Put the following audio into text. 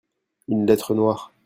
une lettre noire.